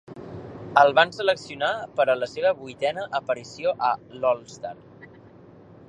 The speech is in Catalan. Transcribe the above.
El van seleccionar per a la seva vuitena aparició a l'All-Star.